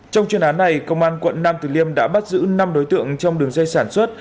trong chuyên án này công an quận nam từ liêm đã bắt giữ năm đối tượng trong đường dây sản xuất